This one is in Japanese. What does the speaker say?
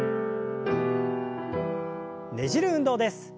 ねじる運動です。